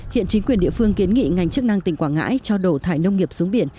hiện chính quyền địa phương kiến nghị ngành chức năng tỉnh quảng ngãi cho đổ thải nông nghiệp xuống biển